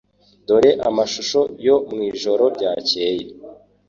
Dore amashusho yo mwijoro ryakeye.